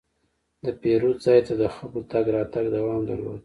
د پیرود ځای ته د خلکو تګ راتګ دوام درلود.